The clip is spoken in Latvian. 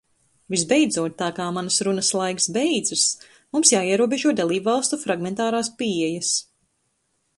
Visbeidzot, tā kā manas runas laiks beidzas, mums jāierobežo dalībvalstu fragmentārās pieejas.